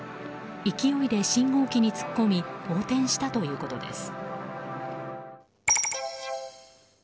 勢いで信号機に突っ込み横転したということです。